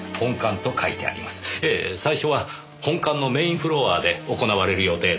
ええ最初は本館のメーンフロアで行われる予定でした。